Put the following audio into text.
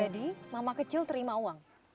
mama kecil terima uang